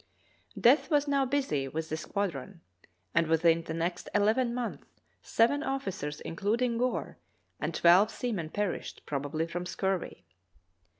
Death was now busy with the squadron, and within the next eleven months seven officers, including Gore, and twelve seamen perished, probably from scurvy.